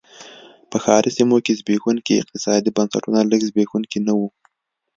په ښاري سیمو کې زبېښونکي اقتصادي بنسټونه لږ زبېښونکي نه و.